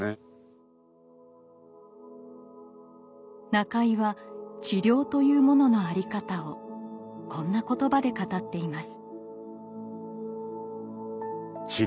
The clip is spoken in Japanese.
中井は治療というものの在り方をこんな言葉で語っています。